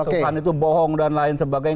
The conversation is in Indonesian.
masukan itu bohong dan lain sebagainya